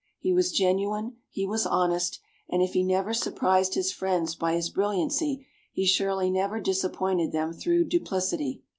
He was genuine; he was honest; and if he never surprised his friends by his brilliancy, he surely never disappointed them through duplicity.